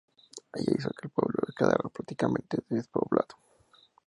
Ello hizo que el pueblo quedara prácticamente despoblado.